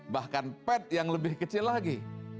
bahkan pad yang lebih kecil lagi